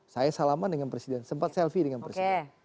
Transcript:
saya salaman dengan presiden sempat selfie dengan presiden